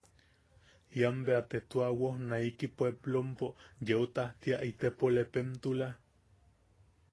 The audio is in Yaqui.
Ian bea te tua wojnaiki pueblopo yeu tajti itepo lepemtula.